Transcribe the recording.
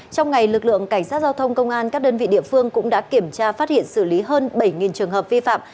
trong ngày lực lượng cảnh sát giao thông công an các đơn vị địa phương cũng đã kiểm tra phát hiện xử lý hơn bảy trường hợp vi phạm